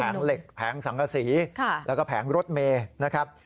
เหล็กแผงสังกษีแล้วก็แผงรถเมย์นะครับ